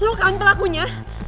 lo kan telakunya